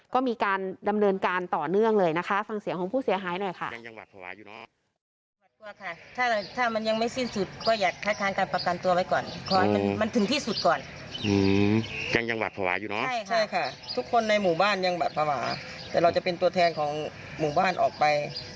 ก็มีการดำเนินการต่อเนื่องเลยนะคะฟังเสียงของผู้เสียหายหน่อยค่ะ